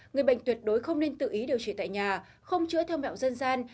người bệnh tuyệt đối không nên tự ý điều trị tại nhà không chữa theo mẹo dân gian